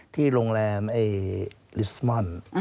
ที่โรงแรมลิสมอน